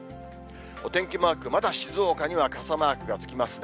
お天気マーク、まだ静岡には傘マークがつきますね。